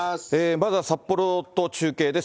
まずは札幌と中継です。